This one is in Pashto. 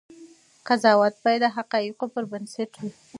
قضاوت باید د حقایقو پر بنسټ وي.